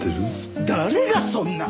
誰がそんな！